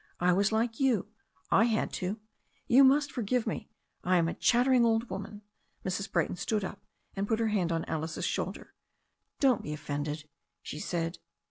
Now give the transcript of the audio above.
I was like you. I had to. You must forgive me. I am a chattering old woman." Mrs. Brayton stood up, and put her hand on Alice's shoulder. ^'Don't be offended," she said.